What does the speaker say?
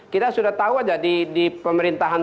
kita sudah tahu aja di pemerintahan